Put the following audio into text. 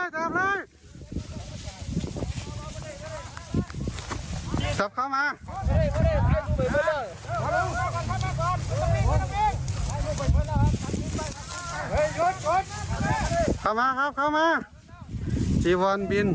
เข้ามาครับเข้ามา